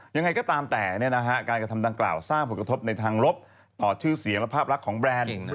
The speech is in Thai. ยังไงก็ตามแต่การกระทำดังกล่าวสร้างผลกระทบในทางลบต่อชื่อเสียงและภาพลักษณ์ของแบรนด์